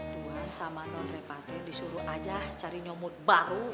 tuhan sama non repatin disuruh aja cari nyomoteh baru